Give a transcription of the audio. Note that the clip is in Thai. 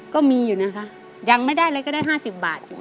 ก็มีอยู่นะคะยังไม่ได้เลยก็ได้๕๐บาทอยู่